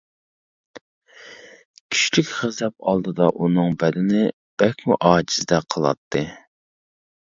كۈچلۈك غەزەپ ئالدىدا ئۇنىڭ بەدىنى بەكمۇ ئاجىزدەك قىلاتتى.